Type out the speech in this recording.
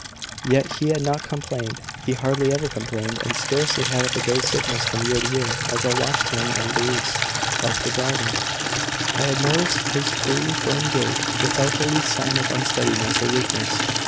yet he had not complained; he hardly ever complained, and scarcely had a day's sickness from year to year. And as I watched him and Louise up the garden, I had noticed his free, firm gait, without the least sign of unsteadiness or weakness.